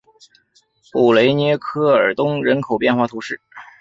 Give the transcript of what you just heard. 布雷涅科尔东人口变化图示